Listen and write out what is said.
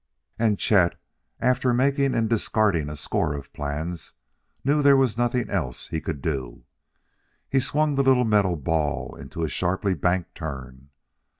And Chet, after making and discarding a score of plans, knew there was nothing else he could do. He swung the little metal ball into a sharply banked turn.